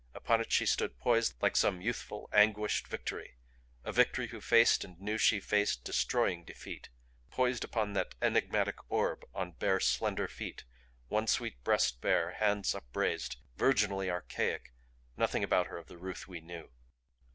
Upon it she stood poised like some youthful, anguished Victory a Victory who faced and knew she faced destroying defeat; poised upon that enigmatic orb on bare slender feet, one sweet breast bare, hands upraised, virginally archaic, nothing about her of the Ruth we knew.